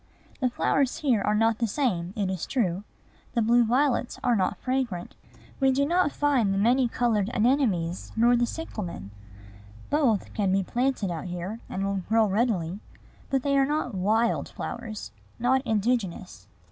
The flowers here are not the same, it is true. The blue violets are not fragrant. We do not find the many colored anemones, nor the cyclamen. Both can be planted out here, and will grow readily; but they are not wild flowers, not indigenous.